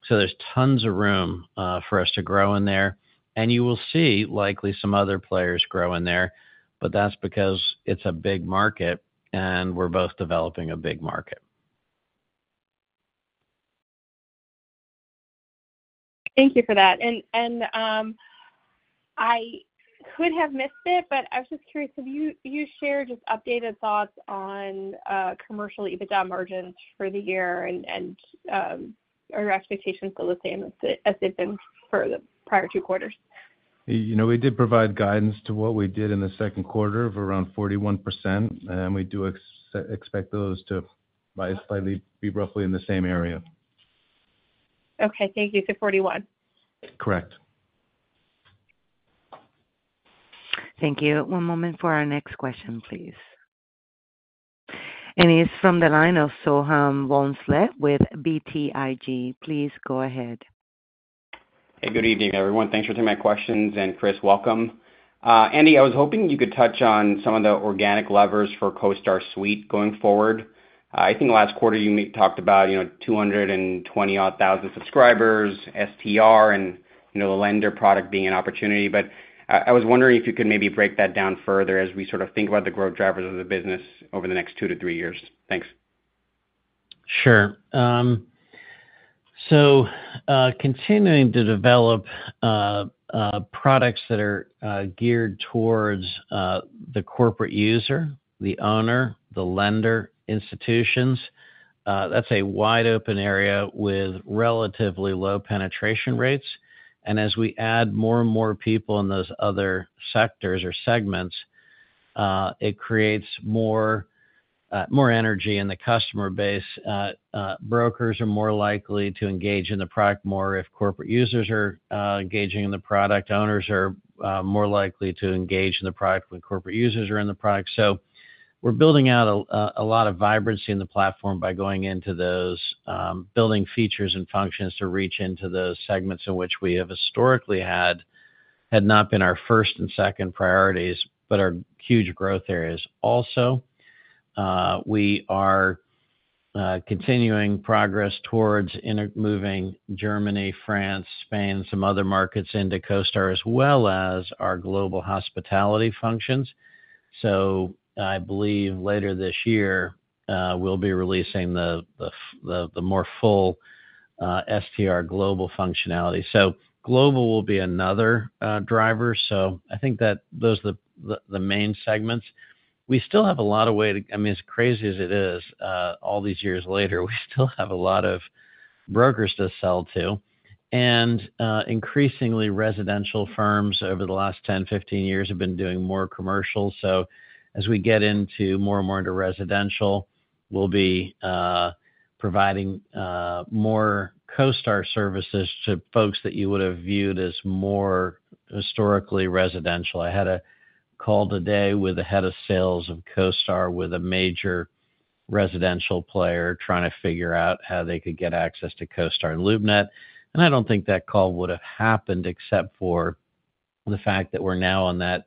So there's tons of room for us to grow in there. And you will see likely some other players grow in there, but that's because it's a big market, and we're both developing a big market. Thank you for that. I could have missed it, but I was just curious. Have you shared just updated thoughts on commercial EBITDA margins for the year and are your expectations still the same as they've been for the prior two quarters? We did provide guidance to what we did in the second quarter of around 41%, and we do expect those to slightly be roughly in the same area. Okay. Thank you. So 41. Correct. Thank you. One moment for our next question, please. And it's from the line of Soham Bhonsle with BTIG. Please go ahead. Hey, good evening, everyone. Thanks for taking my questions. And Chris, welcome. Andy, I was hoping you could touch on some of the organic levers for CoStar Suite going forward. I think last quarter, you talked about 220,000-odd subscribers, STR, and the lender product being an opportunity. I was wondering if you could maybe break that down further as we sort of think about the growth drivers of the business over the next two-three years. Thanks. Sure. Continuing to develop products that are geared towards the corporate user, the owner, the lender institutions, that's a wide-open area with relatively low penetration rates. And as we add more and more people in those other sectors or segments, it creates more energy in the customer base. Brokers are more likely to engage in the product more if corporate users are engaging in the product. Owners are more likely to engage in the product when corporate users are in the product. So we're building out a lot of vibrancy in the platform by going into those building features and functions to reach into those segments in which we have historically had not been our first and second priorities, but our huge growth areas. Also, we are continuing progress towards moving Germany, France, Spain, and some other markets into CoStar, as well as our global hospitality functions. So I believe later this year, we'll be releasing the more full STR Global functionality. So global will be another driver. So I think that those are the main segments. We still have a lot of way to, I mean, as crazy as it is, all these years later, we still have a lot of brokers to sell to. And increasingly, residential firms over the last 10, 15 years have been doing more commercial. So as we get into more and more into residential, we'll be providing more CoStar services to folks that you would have viewed as more historically residential. I had a call today with the head of sales of CoStar with a major residential player trying to figure out how they could get access to CoStar and LoopNet. And I don't think that call would have happened except for the fact that we're now on that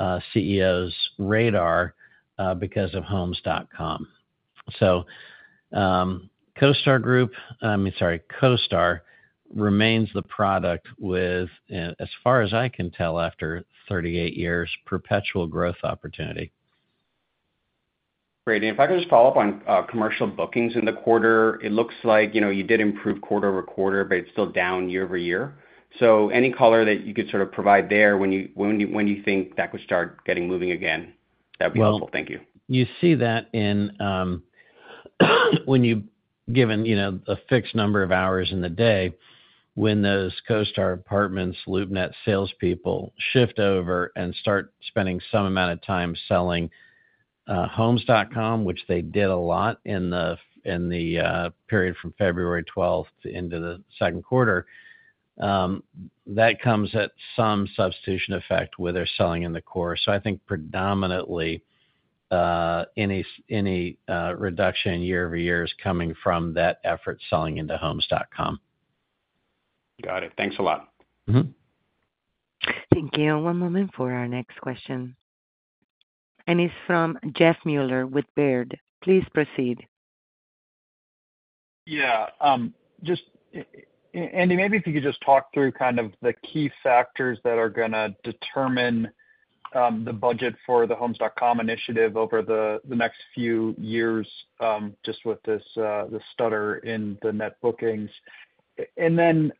CEO's radar because of Homes.com. So CoStar Group, I mean, sorry, CoStar remains the product with, as far as I can tell, after 38 years, perpetual growth opportunity. Great. And if I could just follow up on commercial bookings in the quarter, it looks like you did improve quarter-over-quarter, but it's still down year-over-year. So any color that you could sort of provide there when you think that could start getting moving again, that'd be helpful. Thank you. Well, you see that when you're given a fixed number of hours in the day, when those CoStar, Apartments.com, LoopNet salespeople shift over and start spending some amount of time selling Homes.com, which they did a lot in the period from February 12th into the second quarter, that comes at some substitution effect where they're selling in the core. So I think predominantly any reduction year-over-year is coming from that effort selling into Homes.com. Got it. Thanks a lot. Thank you. One moment for our next question. And it's from Jeff Meuler with Baird. Please proceed. Yeah. Andy, maybe if you could just talk through kind of the key factors that are going to determine the budget for the Homes.com initiative over the next few years just with this stutter in the net bookings. And then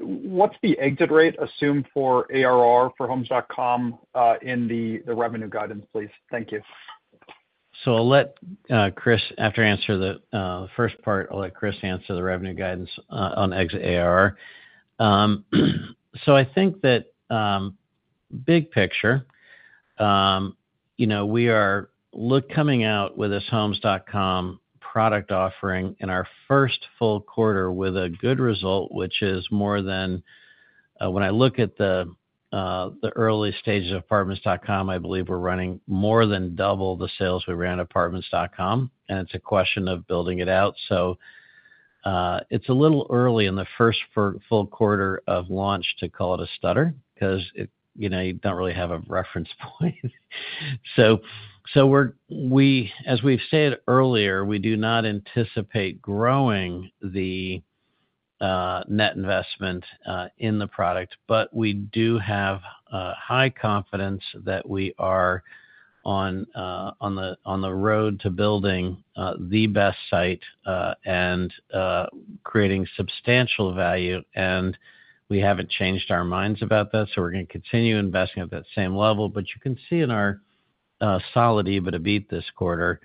what's the exit rate assumed for ARR for Homes.com in the revenue guidance, please? Thank you. I'll let Chris, after I answer the first part, I'll let Chris answer the revenue guidance on exit ARR. I think that big picture, we are coming out with this Homes.com product offering in our first full quarter with a good result, which is more than when I look at the early stages of Apartments.com. I believe we're running more than double the sales we ran Apartments.com. And it's a question of building it out. So it's a little early in the first full quarter of launch to call it a stutter because you don't really have a reference point. So as we've said earlier, we do not anticipate growing the net investment in the product, but we do have high confidence that we are on the road to building the best site and creating substantial value. And we haven't changed our minds about that. So we're going to continue investing at that same level. But you can see in our solid EBITDA beat this quarter,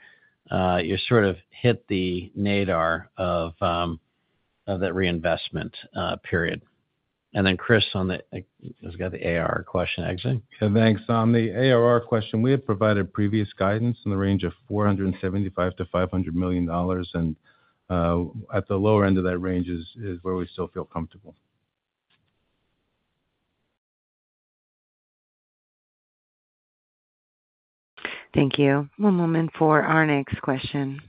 you sort of hit the nadir of that reinvestment period. And then Chris, who's got the ARR question exiting? Thanks. On the ARR question, we have provided previous guidance in the range of $475 million-$500 million. And at the lower end of that range is where we still feel comfortable. Thank you. One moment for our next question.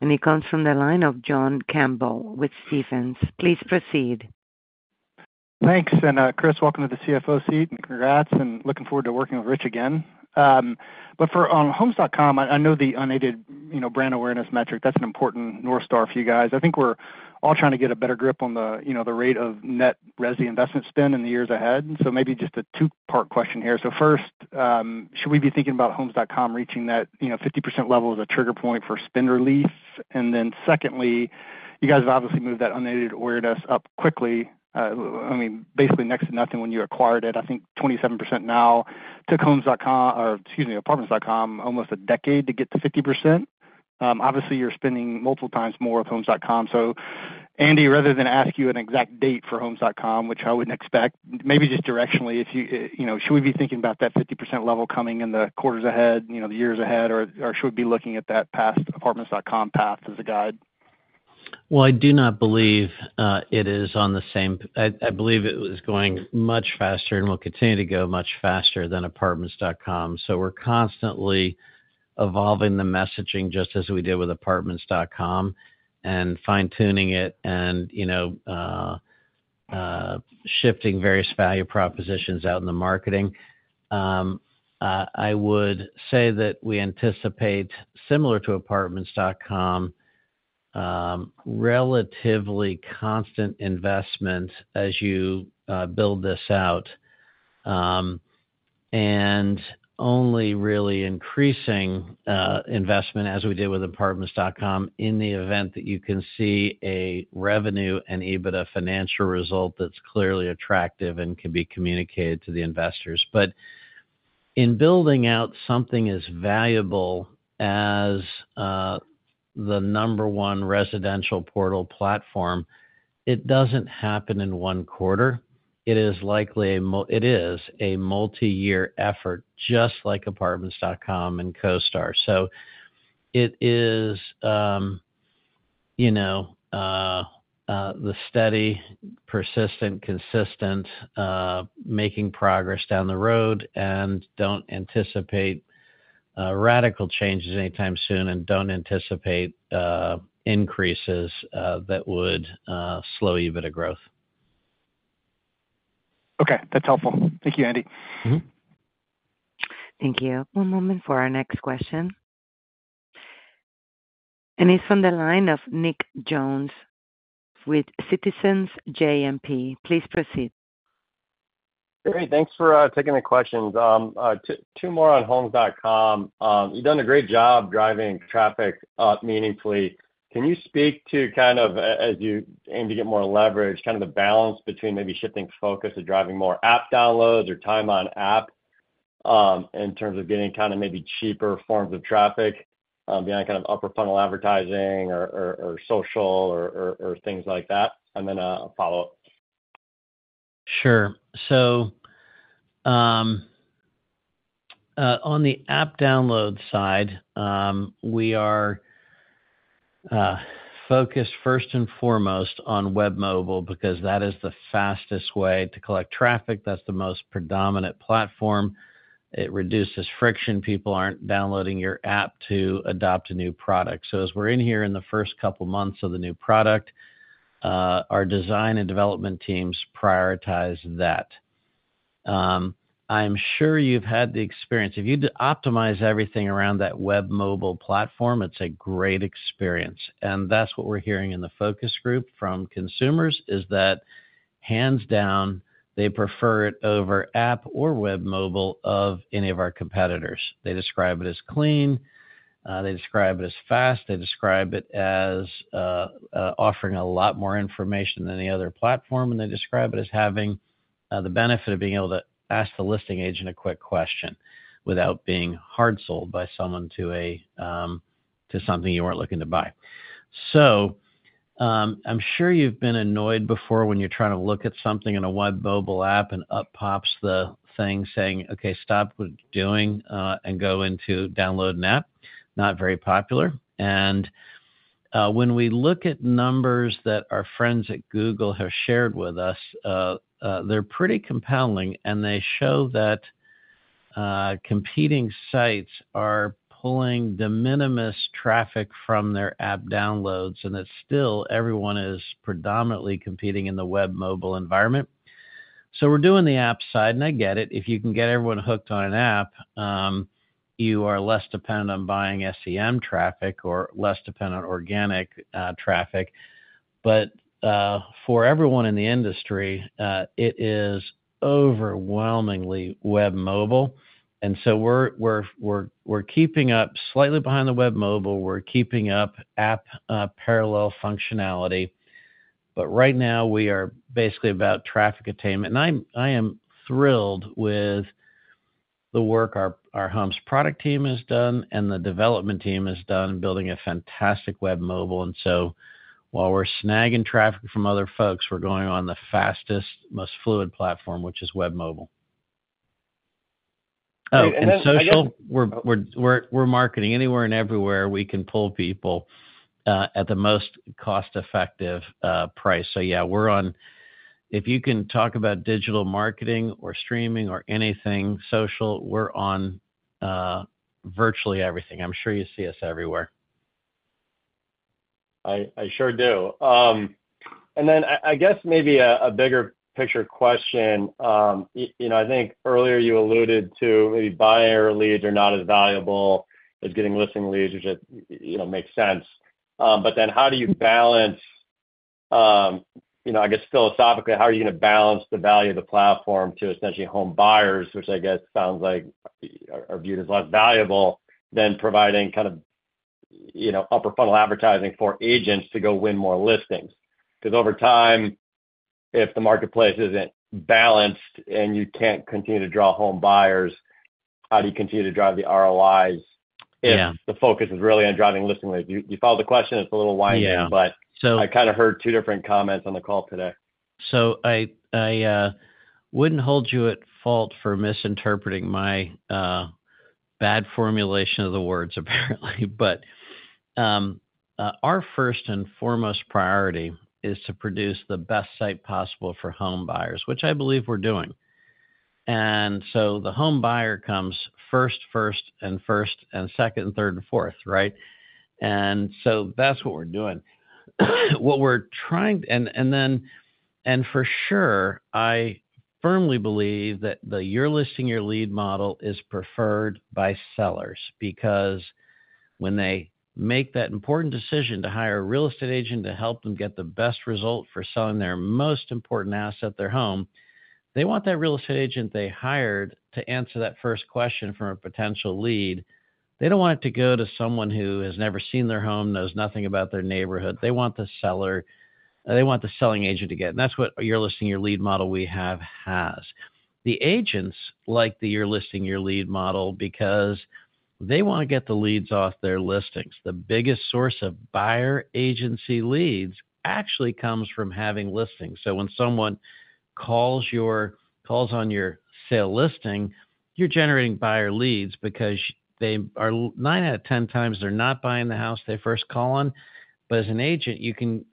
It comes from the line of John Campbell with Stephens. Please proceed. Thanks. Chris, welcome to the CFO seat. Congrats. Looking forward to working with Rich again. But on Homes.com, I know the unaided brand awareness metric, that's an important North Star for you guys. I think we're all trying to get a better grip on the rate of net resi investment spend in the years ahead. So maybe just a two-part question here. First, should we be thinking about Homes.com reaching that 50% level as a trigger point for spend relief? And then secondly, you guys have obviously moved that unaided awareness up quickly, I mean, basically next to nothing when you acquired it. I think 27% now took Homes.com, or excuse me, Apartments.com, almost a decade to get to 50%. Obviously, you're spending multiple times more with Homes.com. So Andy, rather than ask you an exact date for Homes.com, which I wouldn't expect, maybe just directionally, should we be thinking about that 50% level coming in the quarters ahead, the years ahead, or should we be looking at that past Apartments.com path as a guide? Well, I do not believe it is on the same. I believe it was going much faster and will continue to go much faster than Apartments.com. So we're constantly evolving the messaging just as we did with Apartments.com and fine-tuning it and shifting various value propositions out in the marketing. I would say that we anticipate, similar to Apartments.com, relatively constant investment as you build this out and only really increasing investment as we did with Apartments.com in the event that you can see a revenue and EBITDA financial result that's clearly attractive and can be communicated to the investors. But in building out something as valuable as the number one residential portal platform, it doesn't happen in one quarter. It is likely a multi-year effort just like Apartments.com and CoStar. So it is the steady, persistent, consistent making progress down the road and don't anticipate radical changes anytime soon and don't anticipate increases that would slow EBITDA growth. Okay. That's helpful. Thank you, Andy. Thank you. One moment for our next question. It's from the line of Nick Jones with Citizens JMP. Please proceed. Great. Thanks for taking the questions. Two more on Homes.com. You've done a great job driving traffic up meaningfully. Can you speak to kind of, as you aim to get more leverage, kind of the balance between maybe shifting focus to driving more app downloads or time on app in terms of getting kind of maybe cheaper forms of traffic beyond kind of upper-funnel advertising or social or things like that? And then a follow-up. Sure. So on the app download side, we are focused first and foremost on web mobile because that is the fastest way to collect traffic. That's the most predominant platform. It reduces friction. People aren't downloading your app to adopt a new product. So as we're in here in the first couple of months of the new product, our design and development teams prioritize that. I'm sure you've had the experience. If you'd optimize everything around that web mobile platform, it's a great experience. That's what we're hearing in the focus group from consumers is that, hands down, they prefer it over app or web mobile of any of our competitors. They describe it as clean. They describe it as fast. They describe it as offering a lot more information than the other platform. And they describe it as having the benefit of being able to ask the listing agent a quick question without being hard-sold by someone to something you weren't looking to buy. I'm sure you've been annoyed before when you're trying to look at something in a web mobile app and up pops the thing saying, "Okay, stop what you're doing and go into download an app." Not very popular. When we look at numbers that our friends at Google have shared with us, they're pretty compelling. They show that competing sites are pulling de minimis traffic from their app downloads. It's still everyone is predominantly competing in the web mobile environment. So we're doing the app side. And I get it. If you can get everyone hooked on an app, you are less dependent on buying SEM traffic or less dependent on organic traffic. But for everyone in the industry, it is overwhelmingly web mobile. And so we're keeping up slightly behind the web mobile. We're keeping up app parallel functionality. But right now, we are basically about traffic attainment. And I am thrilled with the work our Homes product team has done and the development team has done in building a fantastic web mobile. And so while we're snagging traffic from other folks, we're going on the fastest, most fluid platform, which is web mobile. Oh, and social, we're marketing anywhere and everywhere. We can pull people at the most cost-effective price. So yeah, we're on if you can talk about digital marketing or streaming or anything social, we're on virtually everything. I'm sure you see us everywhere. I sure do. And then I guess maybe a bigger picture question. I think earlier you alluded to maybe buyer leads are not as valuable as getting listing leads, which makes sense. But then how do you balance, I guess, philosophically, how are you going to balance the value of the platform to essentially home buyers, which I guess sounds like are viewed as less valuable than providing kind of upper-funnel advertising for agents to go win more listings? Because over time, if the marketplace isn't balanced and you can't continue to draw home buyers, how do you continue to drive the ROIs if the focus is really on driving listing leads? Do you follow the question? It's a little winding, but I kind of heard two different comments on the call today. So I wouldn't hold you at fault for misinterpreting my bad formulation of the words, apparently. But our first and foremost priority is to produce the best site possible for home buyers, which I believe we're doing. And so the home buyer comes first, first, and first, and second, third, and fourth, right? And so that's what we're doing. What we're trying to, and then for sure, I firmly believe that the Your Listing, Your Lead model is preferred by sellers because when they make that important decision to hire a real estate agent to help them get the best result for selling their most important asset, their home, they want that real estate agent they hired to answer that first question from a potential lead. They don't want it to go to someone who has never seen their home, knows nothing about their neighborhood. They want the seller—they want the selling agent to get it. And that's what Your Listing, Your Lead model we have has. The agents like that Your Listing, Your Lead model because they want to get the leads off their listings. The biggest source of buyer agency leads actually comes from having listings. So when someone calls on your sale listing, you're generating buyer leads because they are 9 out of 10 times they're not buying the house they first call on. But as an agent, you can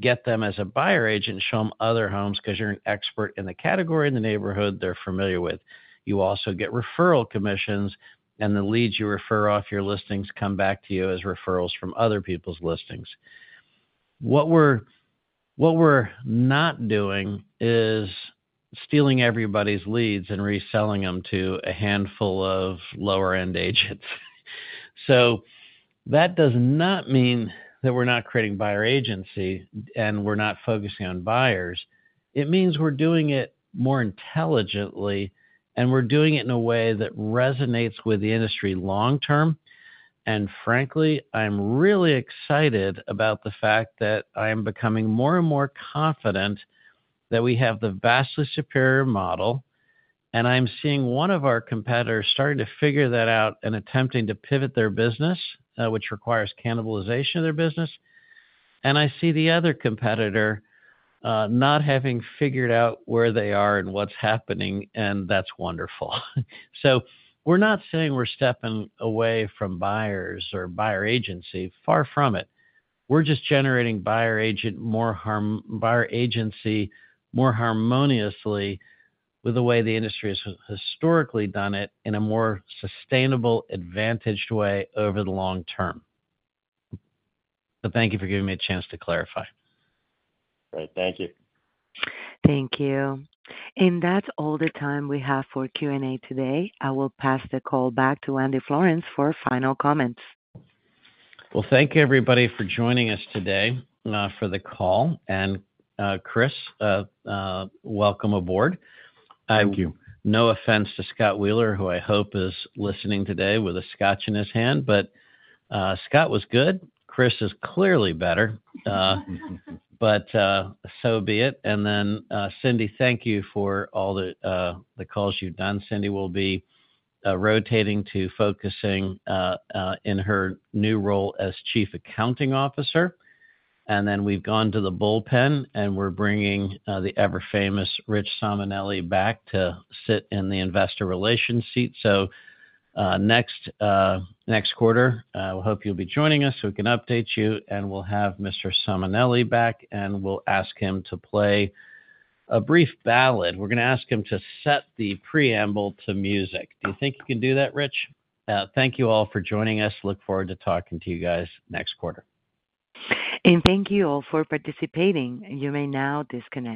get them as a buyer agent and show them other homes because you're an expert in the category in the neighborhood they're familiar with. You also get referral commissions, and the leads you refer off your listings come back to you as referrals from other people's listings. What we're not doing is stealing everybody's leads and reselling them to a handful of lower-end agents. So that does not mean that we're not creating buyer agency and we're not focusing on buyers. It means we're doing it more intelligently, and we're doing it in a way that resonates with the industry long-term. And frankly, I'm really excited about the fact that I am becoming more and more confident that we have the vastly superior model. And I'm seeing one of our competitors starting to figure that out and attempting to pivot their business, which requires cannibalization of their business. And I see the other competitor not having figured out where they are and what's happening, and that's wonderful. So we're not saying we're stepping away from buyers or buyer agency, far from it. We're just generating buyer agency more harmoniously with the way the industry has historically done it in a more sustainable, advantaged way over the long term. But thank you for giving me a chance to clarify. Great. Thank you. Thank you. And that's all the time we have for Q&A today. I will pass the call back to Andy Florance for final comments. Well, thank you, everybody, for joining us today for the call. And Chris, welcome aboard. Thank you. No offense to Scott Wheeler, who I hope is listening today with a scotch in his hand. But Scott was good. Chris is clearly better. But so be it. And then Cyndi, thank you for all the calls you've done. Cyndi will be rotating to focusing in her new role as Chief Accounting Officer. And then we've gone to the bullpen, and we're bringing the ever-famous Rich Simonelli back to sit in the investor relations seat. So next quarter, we hope you'll be joining us so we can update you. And we'll have Mr. Simonelli back, and we'll ask him to play a brief ballad. We're going to ask him to set the preamble to music. Do you think you can do that, Rich? Thank you all for joining us. Look forward to talking to you guys next quarter. And thank you all for participating. You may now disconnect.